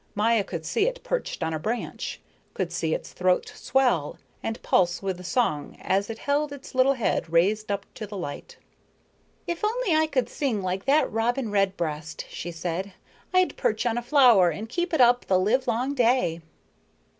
Maya could see it perched on a branch, could see its throat swell and pulse with the song as it held its little head raised up to the light. "If only I could sing like that robin redbreast," she said, "I'd perch on a flower and keep it up the livelong day."